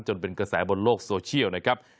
จนเป็นกระแสบนโลกโซเชียลนะครับ